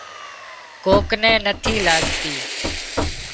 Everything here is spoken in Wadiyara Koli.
ڪوڪ نين نٿِي لاڳتي